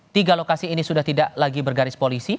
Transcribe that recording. tiga lokasi ini sudah tidak lagi bergaris polisi